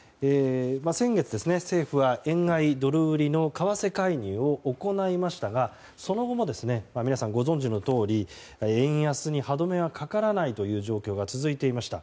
先月、政府は円買いドル売りの為替介入を行いましたがその後も、皆さんご存じのとおり円安に歯止めがかからないという状態が続いていました。